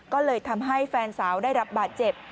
ก็เลยทำให้แฟนสาวได้รับบาดเจ็บ